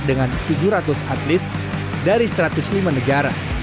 dengan tujuh ratus atlet dari satu ratus lima negara